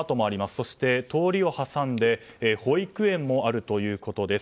そして通りを挟んで保育園もあるということです。